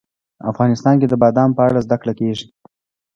افغانستان کې د بادام په اړه زده کړه کېږي.